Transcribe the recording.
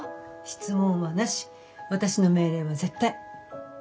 質問はなし私の命令は絶対。